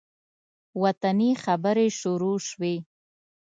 وطني خبرې شروع شوې.